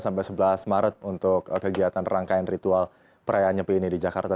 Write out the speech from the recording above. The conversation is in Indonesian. sampai sebelas maret untuk kegiatan rangkaian ritual perayaan nyepi ini di jakarta